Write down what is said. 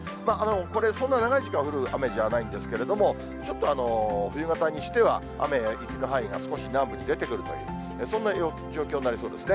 これ、そんな長い時間降る雨じゃないんですけど、ちょっと冬型にしては雨や雪の範囲が少し南部に出てくるという、そんな状況になりそうですね。